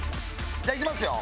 じゃあいきますよ。